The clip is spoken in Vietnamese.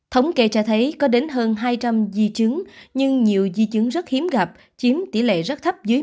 thống kê cho thấy có đến hơn hai trăm linh di chứng nhưng nhiều di chứng rất hiếm gặp chiếm tỷ lệ rất thấp dưới